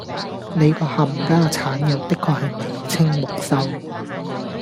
你個冚家鏟又的確係眉清目秀